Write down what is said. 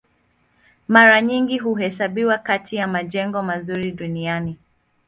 Mara nyingi huhesabiwa kati ya majengo mazuri duniani.